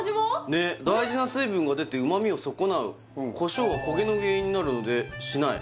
ねっ大事な水分が出て旨味を損なうこしょうは焦げの原因になるのでしない・